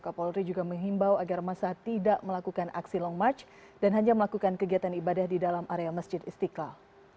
kapolri juga menghimbau agar masa tidak melakukan aksi long march dan hanya melakukan kegiatan ibadah di dalam area masjid istiqlal